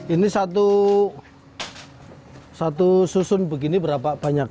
ini satu susun begini berapa banyak